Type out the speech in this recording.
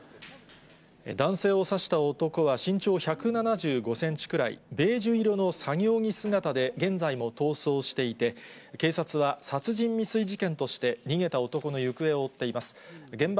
男性を刺した男は身長１７５センチくらい、ベージュ色の作業着姿で、現在も逃走していて、警察は殺人未遂事件として、逃げた男の行方を追っています。